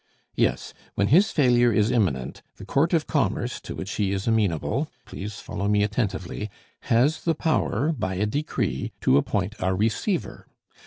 "Yes; when his failure is imminent, the court of commerce, to which he is amenable (please follow me attentively), has the power, by a decree, to appoint a receiver.